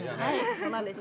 そうなんです。